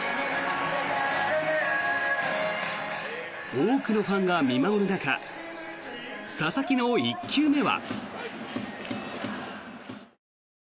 多くのファンが見守る中佐々木の１球目は。